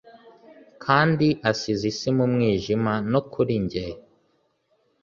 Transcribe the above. kandi asize isi mu mwijima no kuri njye.